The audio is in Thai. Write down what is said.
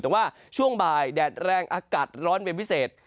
แต่ว่าช่วงบ่ายแดดแรงอากาศร้อนเป็นพิเศษ